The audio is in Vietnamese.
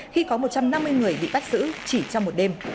khi có một trăm năm mươi người bị bắt giữ chỉ trong một đêm